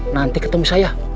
nanti ketemu saya